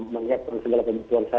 menyiapkan segala kebutuhan saya